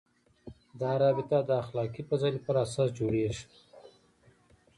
دا رابطه د اخلاقي فضایلو پر اساس جوړېږي.